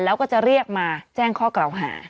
แล้วก็จะเรียกมาแจ้งข้อกล่าวหา